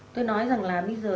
tôi nói rằng là bây giờ